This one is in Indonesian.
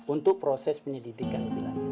untuk proses penyidikan